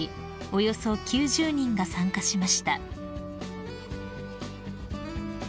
およそ９０人が参加しました］